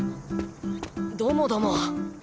どもども。